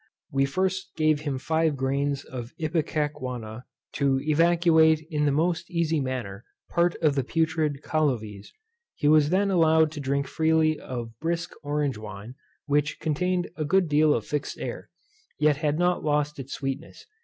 We first gave him five grains of ipecacuanha, to evacuate in the most easy manner part of the putrid colluvies: he was then allowed to drink freely of brisk orange wine, which contained a good deal of fixed air, yet had not lost its sweetness.